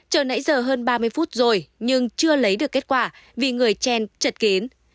chờ nãy giờ hơn ba mươi phút rồi nhưng chưa lấy được kết quả vì người chen chật kín